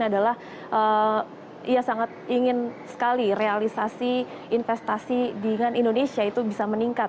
adalah ia sangat ingin sekali realisasi investasi dengan indonesia itu bisa meningkat